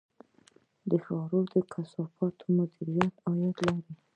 د ښاري کثافاتو مدیریت عاید لري